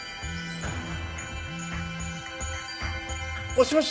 もしもし。